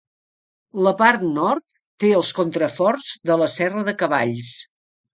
La part nord té els contraforts de la serra de Cavalls.